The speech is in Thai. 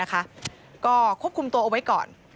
ก็ควบคุมตัวเอาไว้ก่อน